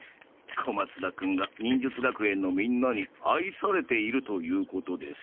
小松田君が忍術学園のみんなに愛されているということです。